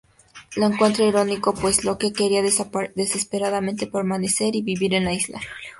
Lo encuentra irónico, pues Locke quería desesperadamente permanecer y vivir en la isla.